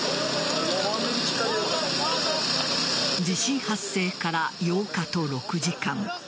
地震発生から８日と６時間。